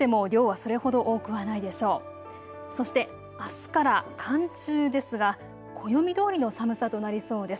そして、あすから寒中ですが暦どおりの寒さとなりそうです。